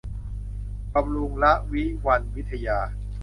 บำรุงระวิวรรณวิทยา